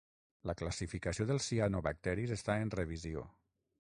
La classificació dels cianobacteris està en revisió.